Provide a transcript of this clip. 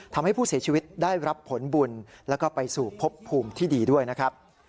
ทำให้ผู้เสียชีวิตได้รับผลบุญแล้วก็ไปสู่พบภูมิที่ดีด้วยนะครับ